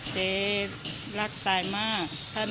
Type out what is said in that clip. เจ๊รักตายมาก